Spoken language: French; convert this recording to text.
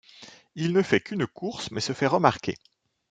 Il ne fait qu'une course mais se fait remarquer.